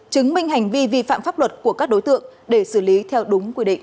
chứng minh hành vi vi phạm pháp luật của các đối tượng để xử lý theo đúng quy định